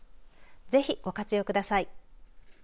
ぜひご活用ください。